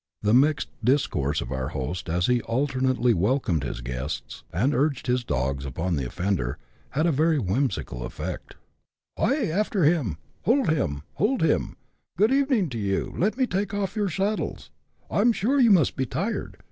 The mixed discourse of our host, as he alternately welcomed his guests, and urged his dogs upon the offender, had a very whimsical effect. CHAP. XII.] A BAD ROAD. 127 " Hie after him ! hold him ! hold him !— good evening to you ; let me take ofF your saddles : I 'm sure you must be tired.